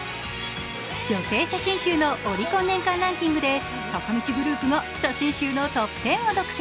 女性写真集のオリコン年間ランキングで坂道グループが写真集のトップ１０を独占。